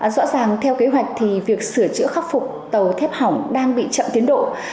rõ ràng theo kế hoạch thì việc sửa chữa khắc phục tàu thép hỏng đang bị chậm tiến độ